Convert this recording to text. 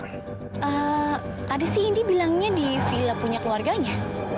tadi sih indy bilangnya di villa punya keluarganya